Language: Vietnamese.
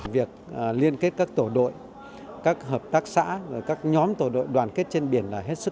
việc liên kết các tổ đội các hợp tác xã các nhóm tổ đội đoàn kết trên biển là hết sức